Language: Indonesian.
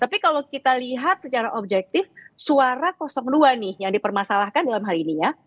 tapi kalau kita lihat secara objektif suara dua nih yang dipermasalahkan dalam hal ini ya